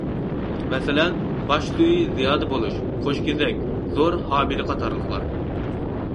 مەسىلەن: باش سۈيى زىيادە بولۇش، قوشكېزەك، زور ھامىلە قاتارلىقلار.